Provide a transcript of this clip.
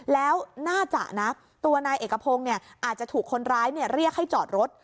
แล้วน่าจะนะตัวนายเอกพงศ์อาจจะถูกคนร้ายเรียกให้จอดรถ